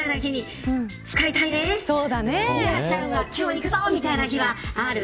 ミラちゃんはきょういくぞみたいな日はある。